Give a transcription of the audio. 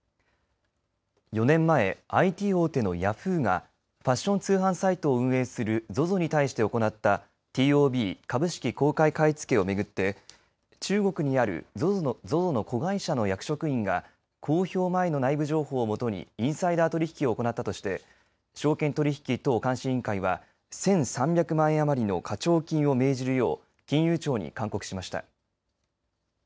４年前、ＩＴ大手のヤフーがファッション通販サイトを運営するＺＯＺＯに対して行ったＴＯＢ、株式公開買い付けを巡って中国にあるＺＯＺＯの子会社の役職員が公表前の内部情報を基にインサイダー取引を行ったとして証券取引等監視委員会は１３００万円余りの課徴金を命じるよう金融庁に勧告しました。